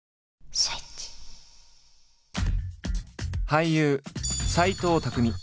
俳優・斎藤工